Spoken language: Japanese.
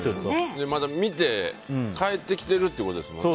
見て帰ってきてるってことですもんね。